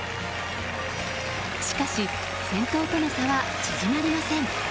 しかし、先頭との差は縮まりません。